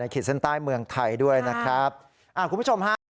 ในขีดเส้นใต้เมืองไทยด้วยนะครับ